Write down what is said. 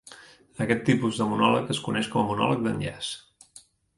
Aquest tipus de monòleg es coneix com monòleg d'enllaç.